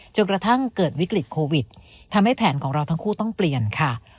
จนกระทั่งเกิดวิกฤตโควิดทำให้แผนของเราทั้งคู่ต้องเปลี่ยนค่ะ